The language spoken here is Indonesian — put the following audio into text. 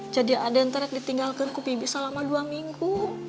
jadi adenterek ditinggalkanku bibit selama dua minggu